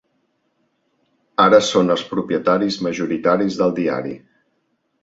Ara són els propietaris majoritaris del diari.